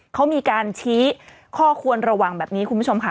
เขามีการชี้ข้อควรระวังแบบนี้คุณผู้ชมค่ะ